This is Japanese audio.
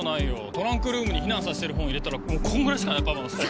トランクルームに避難させてる本を入れたらこんぐらいしかないよ